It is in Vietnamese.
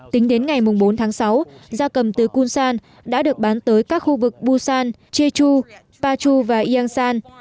tính đến ngày bốn tháng sáu da cầm từ kunsan đã được bán tới các khu vực busan jeju pachu và iangsan